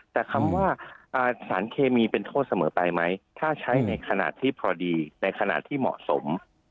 แต่คำว่าสารเคมีเป็นโทษเสมอไปไหมถ้าใช้ในขณะที่พอดีในขณะที่เหมาะสม